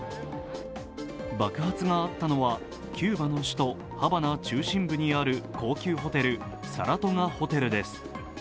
爆発があったのは、キューバの首都ハバナ中心部にある高級ホテル・サラトガホテルです。